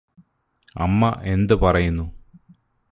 അമ്മ എന്ത് പറയുന്നു?